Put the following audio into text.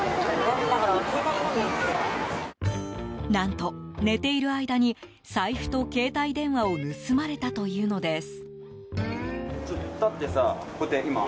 何と、寝ている間に財布と携帯電話を盗まれたというのです。